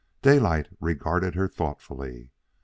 Daylight regarded her thoughtfully.